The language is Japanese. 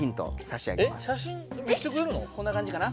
こんなかんじかな。